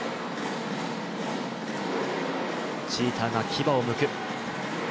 チーターが牙をむく。